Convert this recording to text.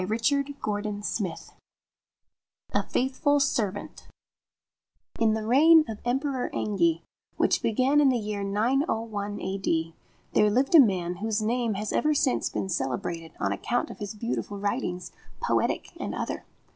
64 X A FAITHFUL SERVANT1 IN the reign of the Emperor Engi, which began in the year 901 A.D., there lived a man whose name has ever since been celebrated on account of his beautiful writings, poetic and other.